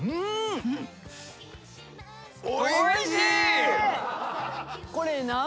おいしい！